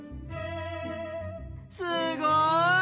すごい！